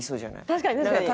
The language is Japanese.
確かに確かに。